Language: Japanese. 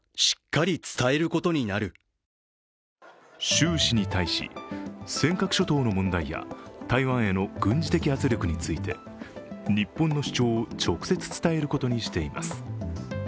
習氏に対し、尖閣諸島の問題や台湾への軍事的圧力について日本の主張を直接伝えることにしています。